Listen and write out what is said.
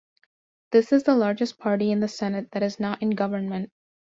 This is the largest party in the Senate that is not in government.